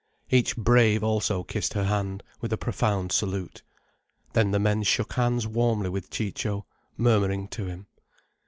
Each brave also kissed her hand, with a profound salute. Then the men shook hands warmly with Ciccio, murmuring to him.